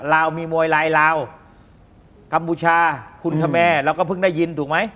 ลาวมีมวยลายลาวกัมพูชาคุณธแมร์เราก็เพิ่งได้ยินถูกไหม